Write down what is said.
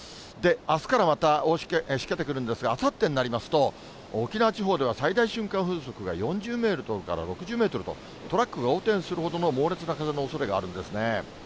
あすからまたしけてくるんですが、あさってになりますと、沖縄地方では、最大瞬間風速が４０メートルから６０メートルと、トラックが横転するほどの猛烈な風のおそれがあるんですね。